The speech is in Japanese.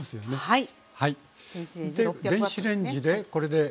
はい。